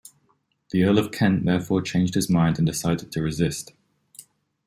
The Earl of Kent therefore changed his mind and decided to resist.